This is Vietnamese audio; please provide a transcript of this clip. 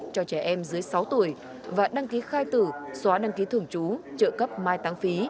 cho trẻ em dưới sáu tuổi và đăng ký khai tử xóa đăng ký thường trú trợ cấp mai tăng phí